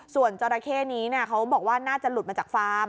ส่วนจราเข้นี้เขาบอกว่าน่าจะหลุดมาจากฟาร์ม